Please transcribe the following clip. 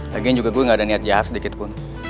lagian juga gue gak ada niat jahat sedikitpun